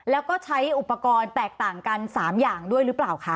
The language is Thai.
แล้วก็ใช้อุปกรณ์แตกต่างกัน๓อย่างด้วยหรือเปล่าคะ